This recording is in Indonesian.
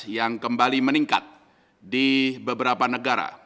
yang kembali meningkat di beberapa negara